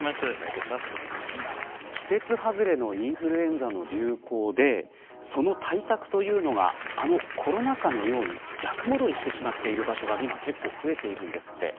季節外れのインフルエンザの流行でその対策というのがあのコロナ禍のように逆戻りしてしまってる場所が結構増えているんです。